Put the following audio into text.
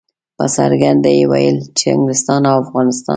په څرګنده یې ویل چې انګلستان او افغانستان.